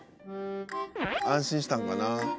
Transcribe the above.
「安心したんかな？」